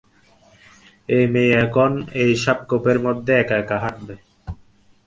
এই মেয়ে এখন এই সাপখোপের মধ্যে এক-একা হাঁটবে।